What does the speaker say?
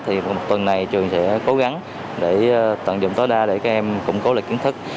thì một tuần này trường sẽ cố gắng để tận dụng tối đa để các em củng cố lịch kiến thức